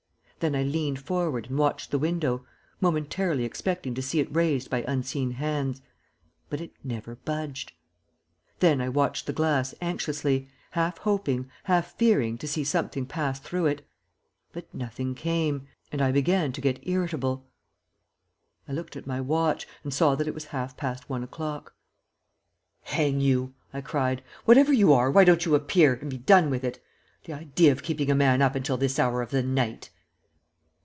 Then I leaned forward and watched the window, momentarily expecting to see it raised by unseen hands; but it never budged. Then I watched the glass anxiously, half hoping, half fearing to see something pass through it; but nothing came, and I began to get irritable. I looked at my watch, and saw that it was half past one o'clock. "Hang you!" I cried, "whatever you are, why don't you appear, and be done with it? The idea of keeping a man up until this hour of the night!"